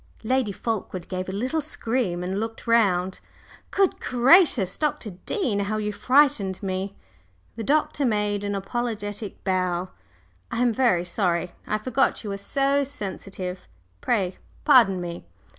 Lady Fulkeward gave a little scream and looked round. "Good gracious, Dr. Dean! How you frightened me!" The Doctor made an apologetic bow. "I am very sorry. I forgot you were so sensitive; pray pardon me!